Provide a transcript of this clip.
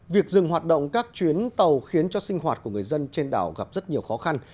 việc dừng hoạt động các chuyến tàu khiến cho sinh hoạt của người dân trên đảo gặp rất nhiều khó khăn